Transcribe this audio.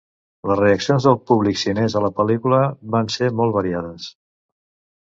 Les reaccions del públic xinès a la pel·lícula van ser molt variades.